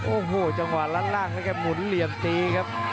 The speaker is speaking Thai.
โอ้โหจังหวะลัดล่างแล้วแกหมุนเหลี่ยมตีครับ